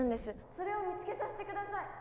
・それを見つけさせて下さい！